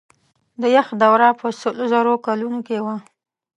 د یخ دوره په سلو زرو کلونو کې وه.